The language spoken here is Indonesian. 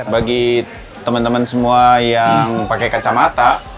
bagi teman teman semua yang pakai kacamata